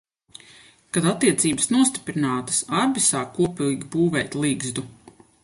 Kad attiecības nostiprinātas, abi sāk kopīgi būvēt ligzdu.